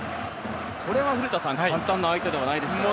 これは、古田さん簡単な相手ではないですね。